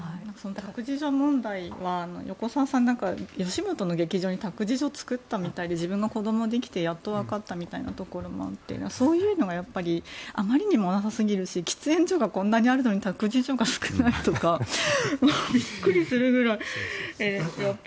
託児所の問題は横澤さんは吉本の劇場に託児所を作ってみたり自分が子供ができて、やっと分かったみたいなところもあってそういうのがあまりにもなさすぎるし喫煙所がこんなにあるのに託児所が少ないとかビックリするぐらい。